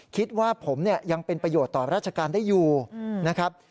คิดว่าผมเนี่ยยังเป็นประโยชน์ต่อราชการได้อยู่นะครับ